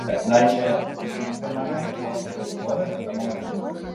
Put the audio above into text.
Izan ere, epaile kontsarbadoreak hautagaiaren aurka daude.